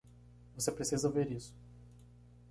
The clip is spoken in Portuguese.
Você precisa ver isso.